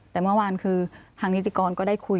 แต่เมื่อวานคือทางนิติกรก็ได้คุย